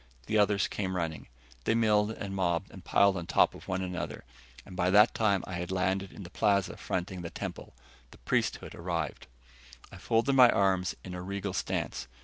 The others came running. They milled and mobbed and piled on top of one another, and by that time I had landed in the plaza fronting the temple. The priesthood arrived. I folded my arms in a regal stance.